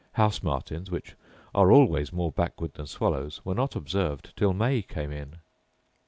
House martins, which are always more backward than swallows, were not observed till May came in.